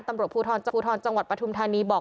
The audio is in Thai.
ตำรวจภูทรจังหวัดปฐุมธานีบอก